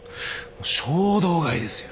衝動買いですよ。